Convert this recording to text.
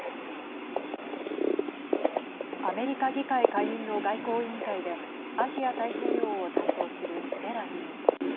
アメリカ議会下院の外交委員会でアジア太平洋を担当するベラ議員。